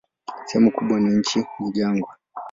Sehemu kubwa ya nchi ni jangwa.